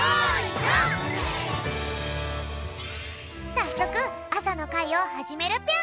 さっそくあさのかいをはじめるぴょん！